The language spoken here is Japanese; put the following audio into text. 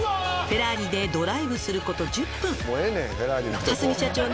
「フェラーリでドライブすること１０分」